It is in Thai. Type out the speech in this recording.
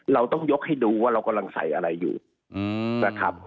เราต้องยกให้ดูว่าเรากำลังใส่อะไรอยู่นะครับ